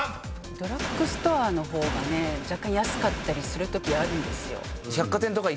ドラッグストアの方が若干安かったりするときあるんですよ。